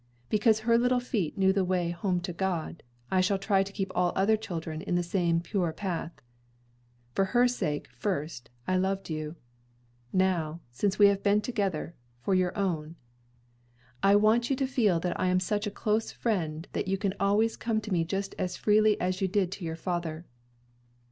Because her little feet knew the way home to God, I shall try to keep all other children in the same pure path. For her sake, first, I loved you; now, since we have been together, for your own. I want you to feel that I am such a close friend that you can always come to me just as freely as you did to your father."